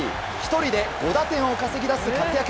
１人で５打点を稼ぎ出す活躍。